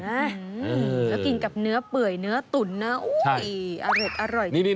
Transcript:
แล้วกินกับเนื้อเปลื่อยเนื้อตุ๋นนะอุ๋ยเอาเหร็สอร่อย